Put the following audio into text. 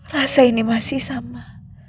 rasa ini masih sama